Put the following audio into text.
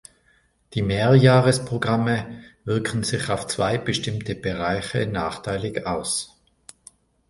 Die Mehrjahresprogramme wirken sich auf zwei bestimmte Bereiche nachteilig aus.